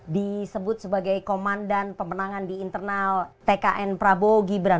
disebut sebagai komandan pemenangan di internal tkn prabowo gibran